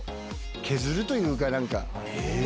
削るというか何か。